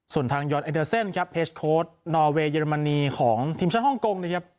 ส่วนทางยอนไอเดอร์เซนครับเฮสโค้ดนอเวย์เยอรมนีของทีมชาติฮ่องกงนะครับ